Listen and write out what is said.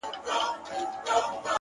داسي محراب غواړم- داسي محراب راکه-